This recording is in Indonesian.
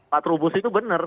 pak trubus itu benar